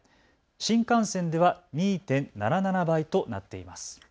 新幹線では２．７７倍となっています。